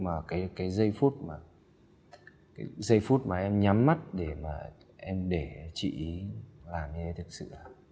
mà cái cái giây phút mà cái giây phút mà em nhắm mắt để mà em để chị ý làm như thế thực sự